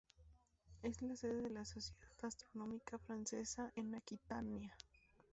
Es la sede de la Sociedad Astronómica Francesa en Aquitania.